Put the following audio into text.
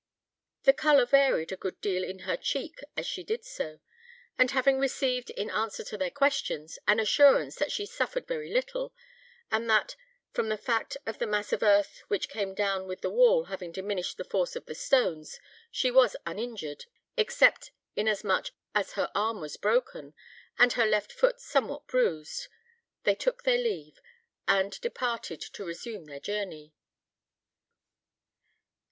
The colour varied a good deal in her cheek as she did so; and having received, in answer to their questions, an assurance that she suffered very little and that, from the fact of the mass of earth which came down with the wall having diminished the force of the stones, she was uninjured, except inasmuch as her arm was broken, and her left foot somewhat bruised they took their leave, and departed to resume their journey.